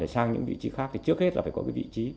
sang những vị trí khác thì trước hết là phải có cái vị trí